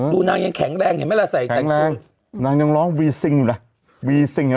ดูนางแข็งแรงอย่างเงี้ยเหมือนใส่แต่